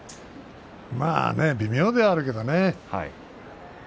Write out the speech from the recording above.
微妙ではあるけれどね。